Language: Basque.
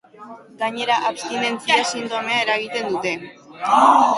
Gainera, abstinentzia sindromea eragiten dute.